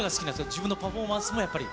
自分のパフォーマンスもやっぱり？